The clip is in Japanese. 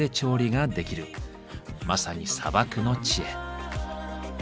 まさに砂漠の知恵。